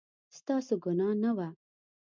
ستاسو ګناه نه وه